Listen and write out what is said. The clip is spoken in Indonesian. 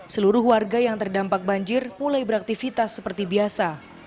seluruh warga yang terdampak banjir mulai beraktivitas seperti biasa